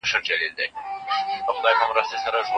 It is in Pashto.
په کور کي ماشوم ته زیان نه رسول کېږي.